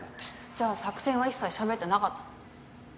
じゃあ作戦は一切しゃべってなかったの？